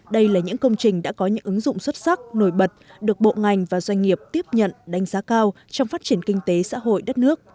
đây là những công trình đã có những ứng dụng xuất sắc nổi bật được bộ ngành và doanh nghiệp tiếp nhận đánh giá cao trong phát triển kinh tế xã hội đất nước